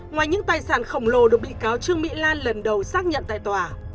ngoài những tài sản khổng lồ được bị cáo trương mỹ lan lần đầu xác nhận tại tòa